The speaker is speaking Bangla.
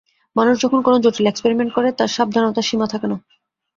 মানুষ যখন কোনো জটিল এক্সপেরিমেন্ট করে, তার সাবধানতার সীমা থাকে না।